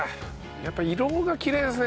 やっぱ色がきれいですね